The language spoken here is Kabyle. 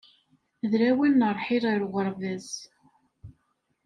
D lawan n ṛṛḥil ar uɣerbaz.